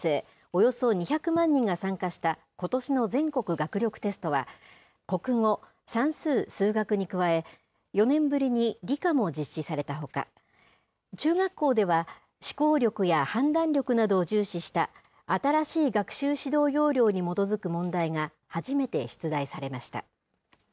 およそ２００万人が参加した、ことしの全国学力テストは、国語、算数・数学に加え、４年ぶりに理科も実施されたほか、中学校では、思考力や判断力などを重視した新しい学習指導要領に基づく問題が初めて出題されました。